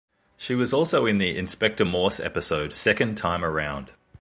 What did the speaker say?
She was also in the "Inspector Morse" episode "Second Time Around".